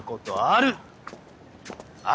ある！